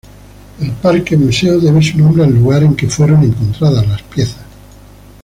El parque-museo debe su nombre al lugar en que fueron encontradas las piezas.